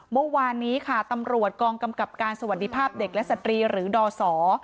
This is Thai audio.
เมื่อวานนี้ค่ะตำรวจกองกำกับการสวัสดีภาพเด็กและสตรีหรือดอสอ